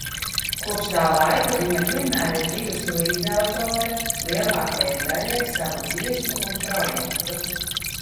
Kopš tā laika viņa vienmēr ir bijusi līdzautore lielākajai daļai savu dziesmu un projektu.